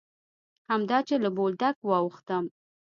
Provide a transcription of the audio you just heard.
همدا چې له بولدکه واوښتم.